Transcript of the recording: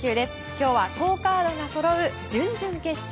今日は好カードがそろう準々決勝。